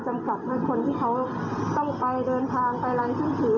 ให้คนที่ต้องไปเดินทางไปแรงติ้นผือ